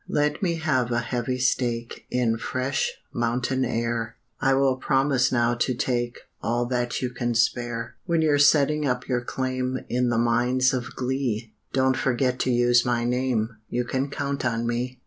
Let me have a heavy stake In fresh mountain air I will promise now to take All that you can spare. When you're setting up your claim In the Mines of Glee, Don't forget to use my name You can count on me.